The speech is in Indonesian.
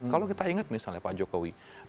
kalau kita ingat misalnya pak jokowi